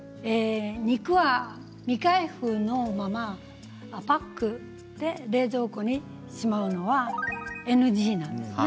肉は未開封のままパックで冷蔵庫にしまうのはＮＧなんです。